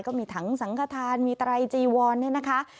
ก็มีถังสังฆฐานมีตรายจีวอนนะคะ